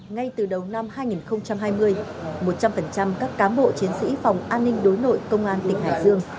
ngay từ đầu năm hai nghìn hai mươi một trăm linh các cán bộ chiến sĩ phòng an ninh đối nội công an tỉnh hải dương